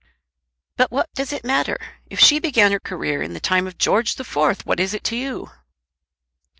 "But what does it matter? If she began her career in the time of George the Fourth, what is it to you?"